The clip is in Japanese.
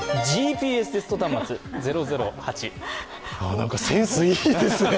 なんかセンスいいですね。